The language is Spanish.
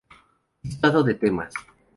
Listado de temas